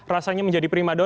paling di pasir